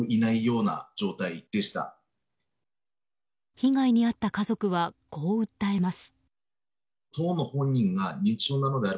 被害に遭った家族はこう訴えます。